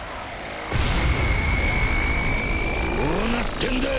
どうなってんだ！？